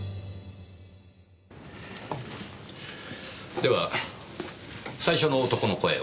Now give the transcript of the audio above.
では最初の男の声を。